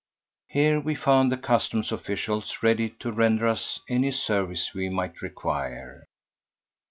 Here we found the customs officials ready to render us any service we might require.